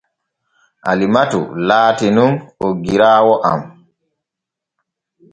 Alimatu laati nun oggiraawo am.